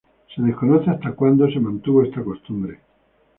Se desconoce hasta cuando se mantuvo esta costumbre.